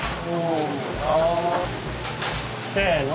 せの。